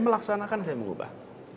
melaksanakan saya mengubah